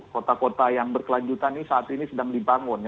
kota kota yang berkelanjutan ini saat ini sedang dibangun